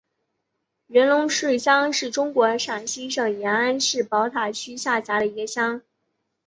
元龙寺乡是中国陕西省延安市宝塔区下辖的一个乡。